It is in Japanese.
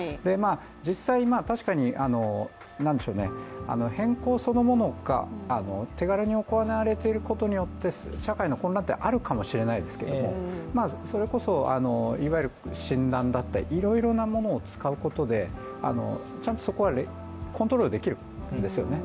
実際、確かに、変更そのものが手軽に行われていることによって社会の混乱ってあるかもしれないですけどそれこそ、いわゆる診断だったり、いろいろなものを使うことでちゃんとそこはコントロールできるんですよね